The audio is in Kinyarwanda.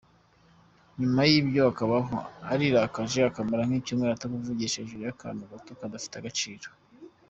Nyuma yibyo akabaho arirakaje akamara icyumweru atakuvugisha hejuru yakantu gato kadafite agaciro.